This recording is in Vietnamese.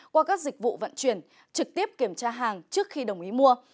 qua các dịch vụ vận chuyển trực tiếp kiểm tra hàng trước khi đồng ý mua